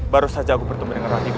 baru saja aku bertemu dengan ratih dulu